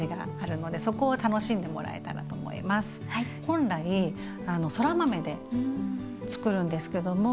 本来そら豆でつくるんですけども。